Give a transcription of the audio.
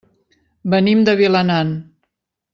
Venim de Vilanant.